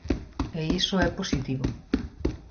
E iso é positivo.